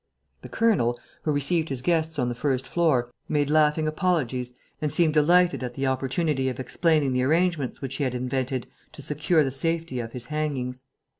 The colonel, who received his guests on the first floor, made laughing apologies and seemed delighted at the opportunity of explaining the arrangements which he had invented to secure the safety of his hangings.